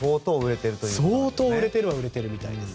ただ、相当売れてるのは売れてるみたいです。